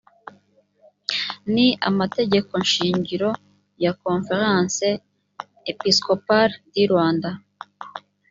ni amategeko shingiro ya conf rence episcopale du rwanda